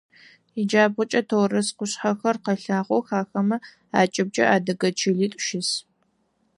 Иджабгъукӏэ Торос къушъхьэхэр къэлъагъох, ахэмэ акӏыбыкӏэ адыгэ чылитӏу щыс.